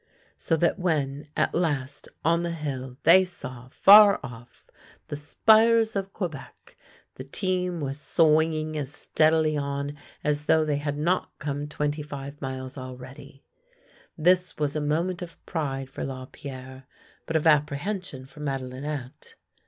So that when, at last, on the hill, they saw, far off,. the spires of Quebec, the team was swinging as steadily on as though they had not come twenty five miles already. This was a moment of pride for Lapierre, but of apprehension for Madelinette.